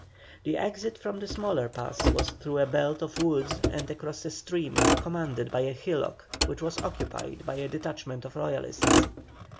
The exit from the smaller pass was through a belt of woods and across a stream, commanded by a hillock which was occupied by a detachment of Royalists.